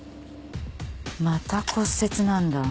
また骨折なんだ。